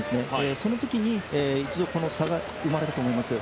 そのときに一度この差が生まれたと思います。